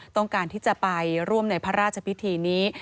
ต้องการที่จะไปร่วมในพระราชพิธีนี้